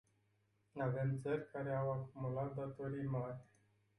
Avem țări care au acumulat datorii mari.